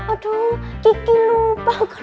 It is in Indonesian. aduh kiki lupa